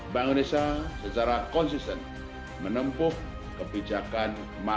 bank indonesia secara konsisten menempuh kebijakan masyarakat